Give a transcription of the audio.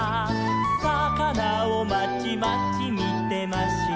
「さかなをまちまちみてました」